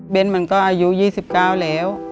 เป็นมันก็อายุ๒๙แล้ว